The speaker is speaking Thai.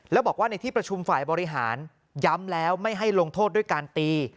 แล้วบอกว่าในที่ประชุมฝ่ายบริหารย้ำแล้วไม่ให้ลงโทษด้วยการตี